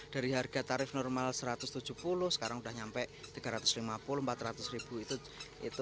dari harga tarif normal rp satu ratus tujuh puluh sekarang udah nyampe rp tiga ratus lima puluh rp empat ratus itu satu tujuan gitu